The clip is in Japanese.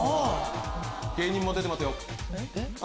芸人も出てますよ。